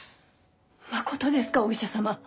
まことですかお医者様。